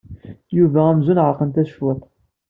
Yuba amzun ɛerqent-as cwiṭ.